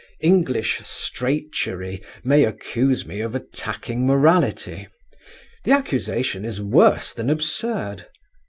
English "strachery" may accuse me of attacking morality: the accusation is worse than absurd.